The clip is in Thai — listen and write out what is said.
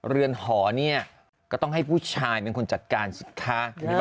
เรือนหอเนี่ยก็ต้องให้ผู้ชายเป็นคนจัดการสิคะ